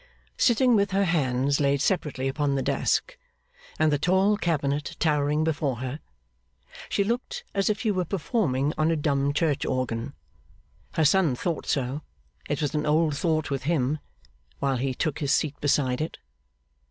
Sitting with her hands laid separately upon the desk, and the tall cabinet towering before her, she looked as if she were performing on a dumb church organ. Her son thought so (it was an old thought with him), while he took his seat beside it.